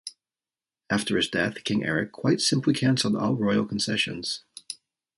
After his death King Eric quite simply cancelled all royal concessions.